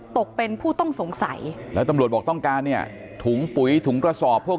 ตกเป็นผู้ต้องสงสัยแล้วตำรวจบอกต้องการเนี่ยถุงปุ๋ยถุงกระสอบพวก